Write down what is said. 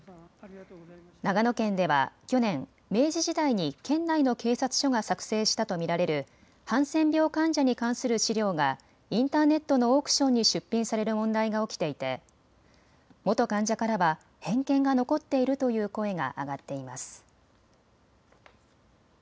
長野県では去年、明治時代に県内の警察署が作成したと見られるハンセン病患者に関する資料がインターネットのオークションに出品される問題が起きていて元患者からは偏見が残っているという声が上がっています。